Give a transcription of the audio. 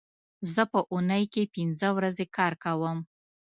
زه په اونۍ کې پینځه ورځې کار کوم